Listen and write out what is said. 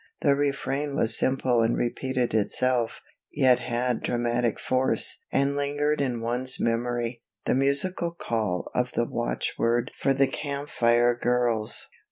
The refrain was simple and repeated itself, yet had dramatic force and lingered in one's memory, the musical call of the watchword for the Camp Fire Girls.